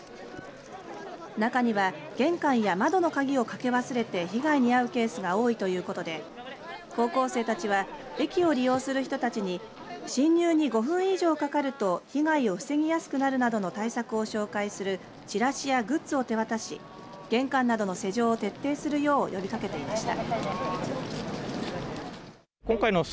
中には玄関や窓の鍵をかけ忘れて被害に遭うケースが多いということで高校生たちは駅を利用する人たちに侵入に５分以上かかると被害を防ぎやすくなるなどの対策を紹介するチラシやグッズを手渡し玄関などの施錠を徹底するよう呼びかけていました。